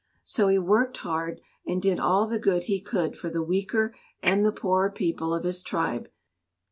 So he worked hard and did all the good he could for the weaker and the poorer people of his tribe.